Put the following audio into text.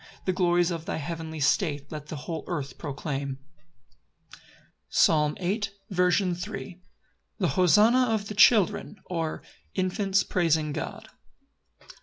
The glories of thy heavenly state Let the whole earth proclaim. Psalm 8:3. 1 2. paraphrased. First Part. L. M. The Hosanna of the children; or, Infants praising God.